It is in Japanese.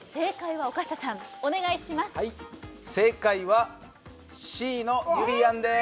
はい正解はＣのゆりやんです